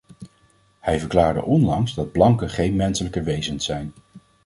Hij verklaarde onlangs dat blanken geen menselijke wezens zijn.